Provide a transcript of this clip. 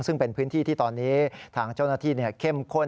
ซึ่งเป็นพื้นที่ที่ตอนนี้ทางเจ้าหน้าที่เข้มข้น